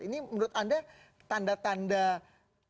ini menurut anda tanda tanda